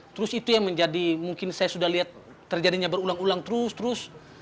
terus itu yang menjadi mungkin saya sudah lihat terjadinya berulang ulang terus terus